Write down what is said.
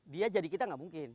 dia jadi kita nggak mungkin